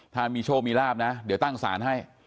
ถ้ามีโชคมีลาบนะเดี๋ยวตั้งสารให้